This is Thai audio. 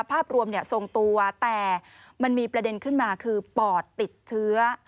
ภาพรวมทรงตัวแต่มันมีประเด็นขึ้นมาคือปอดติดเชื้อ